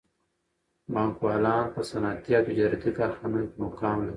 بانکوالان په صنعتي او تجارتي کارخانو کې مقام لري